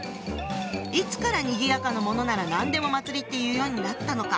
いつからにぎやかなものなら何でも祭りって言うようになったのか？